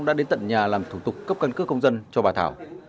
đã đến tận nhà làm thủ tục cấp căn cước công dân cho bà thảo